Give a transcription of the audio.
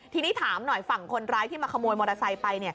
ทีนี้ถามหน่อยฝั่งคนร้ายที่มาขโมยมอเตอร์ไซค์ไป